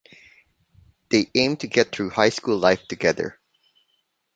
They aim to get through high school life together.